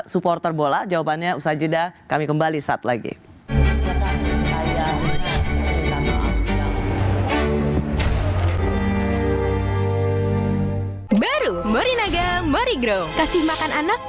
supporter bola jawabannya usah jeda kami kembali saat lagi baru merinaga merigro kasih makan anak